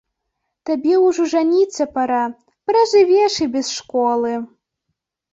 Табе ўжо жаніцца пара, пражывеш і без школы!